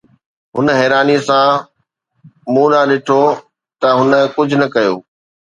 هن حيرانيءَ سان مون ڏانهن ڏٺو ته هن ڪجهه نه ڪيو